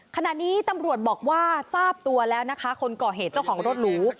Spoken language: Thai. ขณะนี้ตำรวจบอกว่าทราบตัวแล้วนะคะคนก่อเหตุเจ้าของรถหรู